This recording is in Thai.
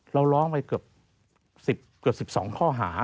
เราร้องไปเกือบ๑๒ข้อหา